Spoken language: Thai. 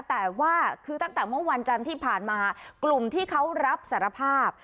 แต่ว่าคือตั้งแต่เมื่อวันจันทร์ที่ผ่านมากลุ่มที่เขารับสารภาพ